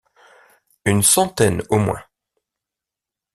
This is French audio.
Une centaine, au moins.